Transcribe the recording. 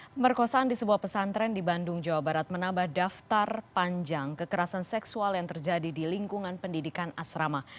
pemerkosaan di sebuah pesantren di bandung jawa barat menambah daftar panjang kekerasan seksual yang terjadi di lingkungan pendidikan asrama